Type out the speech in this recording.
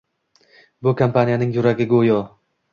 bu kompaniyaning yuragi goʻyo.